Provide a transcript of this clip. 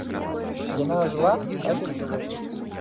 Яна жыла так як жылося.